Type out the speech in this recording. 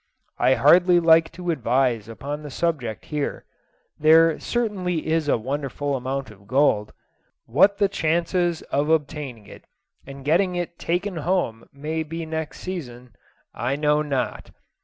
I hardly like to advise upon the subject here; there certainly is a wonderful amount of gold. What the chances of obtaining it and getting it taken home may be next season, I know not.